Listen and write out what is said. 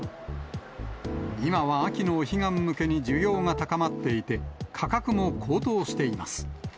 今は秋のお彼岸向けに需要が高まっていて、価格も高騰しています。